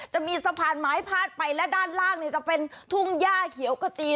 จะมีสะพานไม้พาดไปและด้านล่างจะเป็นทุ่งย่าเขียวกระจีน